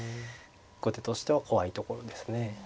後手としては怖いところですね。